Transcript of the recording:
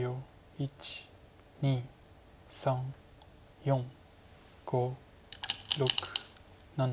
１２３４５６７。